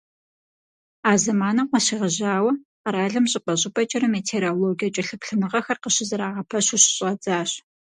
А зэманым къыщегъэжьауэ къэралым щӀыпӀэ-щӀыпӀэкӀэрэ метеорологие кӀэлъыплъыныгъэхэр къыщызэрагъэпэщу щыщӀадзащ.